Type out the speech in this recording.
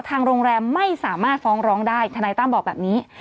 ทางโรงแรมไม่สามารถฟ้องร้องได้ทนายตั้มบอกแบบนี้